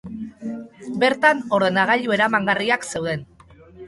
Bertan, ordenagilu eramangarriak zeuden.